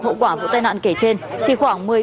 hậu quả vụ tai nạn kể trên thì khoảng